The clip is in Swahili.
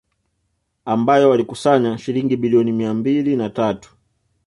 Ambayo walikusanya shilingi bilioni mia mbili na tatu